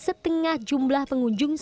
setengah jumlah pengunjung